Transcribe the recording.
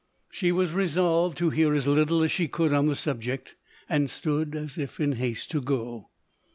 She was resolved to hear as little as she could on the subject, and stood as if in haste to go.